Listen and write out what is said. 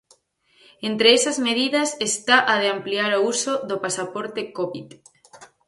Entre esas medidas está a de ampliar o uso do pasaporte covid.